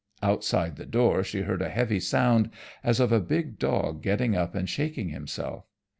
Outside the door she heard a heavy sound as of a big dog getting up and shaking himself.